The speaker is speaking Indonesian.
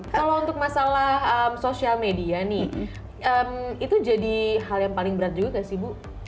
kalau untuk masalah sosial media nih itu jadi hal yang paling berat juga gak sih bu